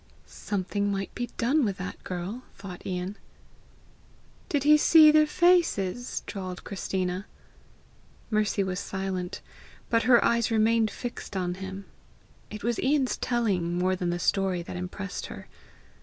"Something might be done with that girl!" thought Ian. "Did he see their faces?" drawled Christina. Mercy was silent, but her eyes remained fixed on him. It was Ian's telling, more than the story, that impressed her.